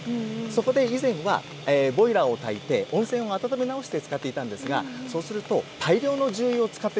そこで以前はボイラーをたいて温泉を温め直して使っていたんですがそうすると大量の重油を使ってしまうんです。